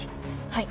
はい。